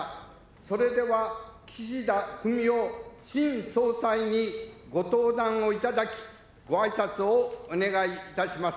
それでは、岸田文雄新総裁にご登壇をいただき、ごあいさつをお願いいたします。